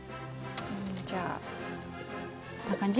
じゃあこんな感じ？